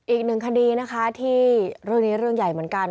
อีกหนึ่งคดีนะคะที่เรื่องนี้เรื่องใหญ่เหมือนกัน